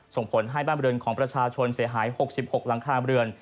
ส่งผลให้บ้านบริเวณของประชาชนเสียหาย๖๖หลังคาเรือน